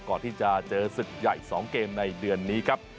ก่อนที่จะเจอศึกใหญ่๒เกมในเดือนนี้ครับ